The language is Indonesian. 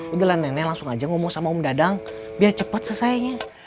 udah lah nenek langsung aja ngomong sama om dadang biar cepet selesainya